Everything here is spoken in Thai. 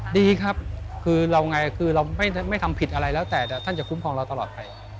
ดีครับคือเราไงคือเราไม่ทำผิดอะไรแล้วแต่ท่านจะคุ้มครองเราตลอดไป